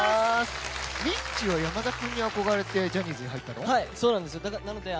みっちは山田君に憧れてジャニーズに入ったの？